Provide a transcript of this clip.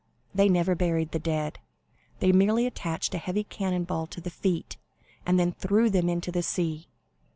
They never buried the dead; they merely attached a heavy cannon ball to the feet, and then threw them into the sea.